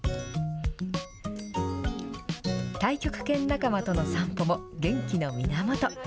太極拳仲間との散歩も元気の源。